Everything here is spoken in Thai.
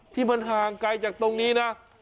ที่มันห่างไกลจากตรงนี้นะ